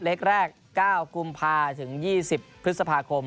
เล็กแรก๙กุมภาถึง๒๐พฤษภาคม